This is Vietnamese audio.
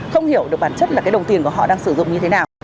không hiểu được bản chất là cái đồng tiền của họ đang sử dụng như thế nào